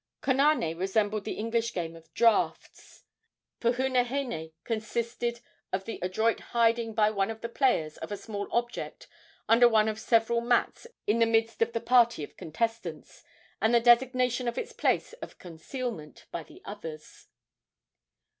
Konane resembled the English game of draughts. Puhenehene consisted of the adroit hiding by one of the players of a small object under one of several mats in the midst of the party of contestants, and the designation of its place of concealment by the others.